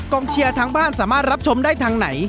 เชียร์ทางบ้านสามารถรับชมได้ทางไหน